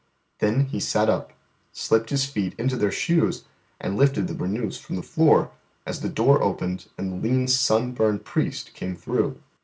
Then He sat up, slipped His feet into their shoes, and lifted the burnous from the floor, as the door opened and the lean sun burned priest came through.